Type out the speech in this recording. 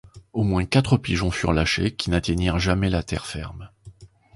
Au moins quatre pigeons furent lâchés, qui n’atteignirent jamais la terre ferme.